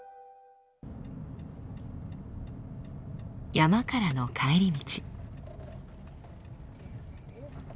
山からの帰り道。